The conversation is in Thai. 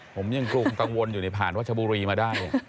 ผมยังกังวลอยู่ในผ่านวัชบุรีมาได้